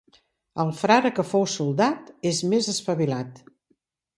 El frare que fou soldat és més espavilat.